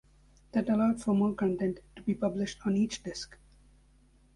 That allowed for more content to be published on each disk.